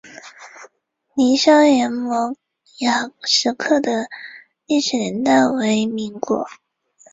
伊赫拉瓦是捷克历史最为古老的矿业城市。